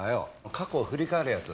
過去を振り返るやつ。